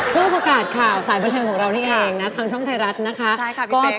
ผู้ประกาศข่าวสายบันเทิงของเรานี่เองนะทางช่องไทยรัฐนะคะ